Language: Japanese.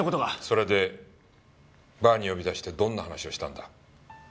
それでバーに呼び出してどんな話をしたんだ？